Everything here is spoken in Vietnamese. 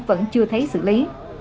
vẫn chưa thấy xử lý